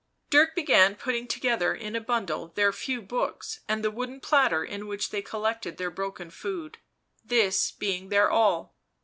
Dirk began putting together in a bundle their few books, and the wooden platter in which they collected their broken food ; this being their all.